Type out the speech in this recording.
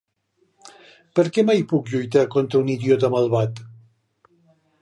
Por què mai puc lluitar contra un idiota malvat?